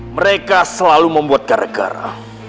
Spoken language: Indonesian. mereka selalu membuat gara gara